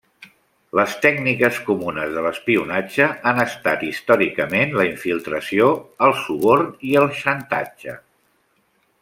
Les tècniques comunes de l'espionatge han estat històricament la infiltració, el suborn i el xantatge.